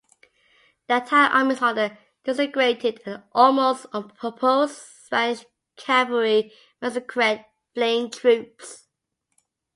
The entire army's order disintegrated, and the almost unopposed Spanish cavalry massacred fleeing troops.